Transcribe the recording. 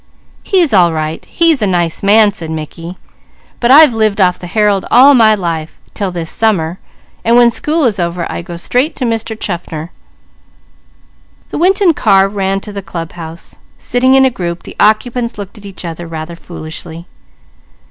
"He's all right, he's a nice man," said Mickey, "but I've lived off the Herald all my life 'til this summer, so when school is over I go straight to Mr. Chaffner." The Winton car ran to the club house; sitting in a group, the occupants looked at each other rather foolishly.